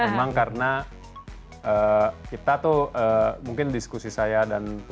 emang karena kita tuh mungkin diskusi saya dan teman teman saya